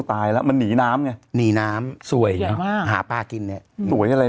ตายแล้วมันหนีน้ำเนี่ยหนีน้ำสวยอยากมาหาป้ากินนี่สวยอะไร